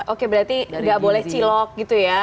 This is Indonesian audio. oke berarti nggak boleh cilok gitu ya